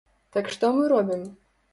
Так што мы робім?